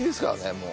もう。